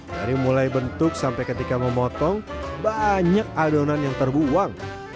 dari mulai bentuk sampai ketika memotong banyak adonan yang terbuang